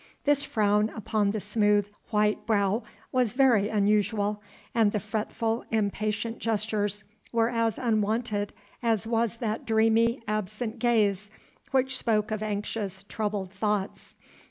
This frown upon the smooth, white brow was very unusual, and the fretful, impatient gestures were as unwonted as was that dreamy, absent gaze which spoke of anxious, troubled thoughts.